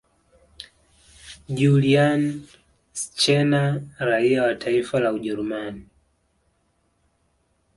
Julian Scherner raia wa taifa la Ujerumani